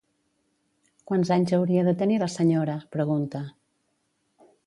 Quants anys hauria de tenir la senyora? —pregunta.